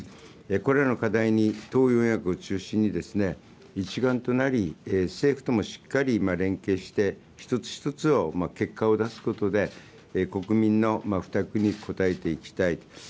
これらの課題に党四役を中心に、一丸となり政府ともしっかり連携して、一つ一つを結果を出すことで、国民の負託に応えていきたい。